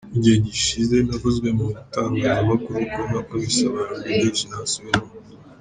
Mu gihe gishize navuzwe mu itangazamakuru ko nakubise abantu, ni byinshi ntasubiramo…”.